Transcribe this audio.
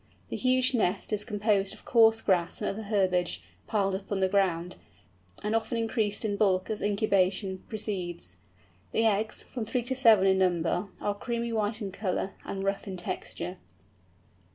The huge nest is composed of coarse grass and other herbage, piled up on the ground, and often increased in bulk as incubation proceeds. The eggs, from three to seven in number, are creamy white in colour and rough in texture.